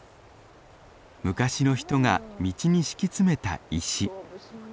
昔の人が道に敷き詰めた石。